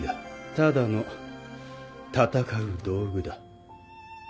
ただの戦う道具だ。